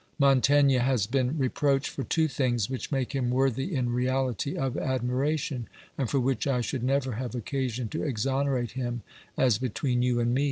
Montaigne has been reproached for two things which make him worthy in reality of admiration, and for which I should never have occasion to exonerate him as between you and me.